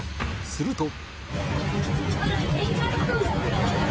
すると。